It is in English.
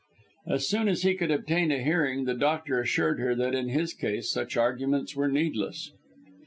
As soon as he could obtain a hearing, the doctor assured her that in his case such arguments were needless.